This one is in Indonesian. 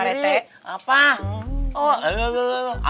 oh enggak enggak enggak